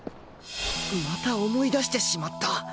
また思い出してしまった